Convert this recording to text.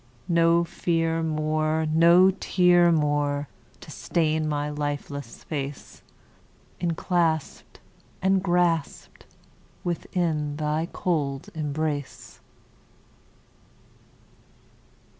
No fear more, no tear more, To stain my lifeless face, Enclasped, and grasped, Within thy cold embrace!